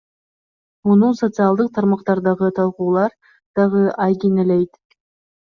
Муну социалдык тармактардагы талкуулар дагы айгинелейт.